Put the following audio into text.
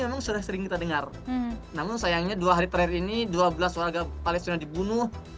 memang sudah sering kita dengar namun sayangnya dua hari terakhir ini dua belas warga palestina dibunuh